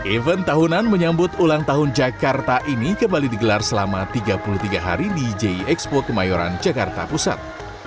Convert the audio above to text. event tahunan menyambut ulang tahun jakarta ini kembali digelar selama tiga puluh tiga hari di jie expo kemayoran jakarta pusat